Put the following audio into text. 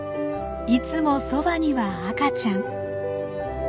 いつもそばには赤ちゃん。